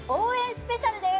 スペシャルです！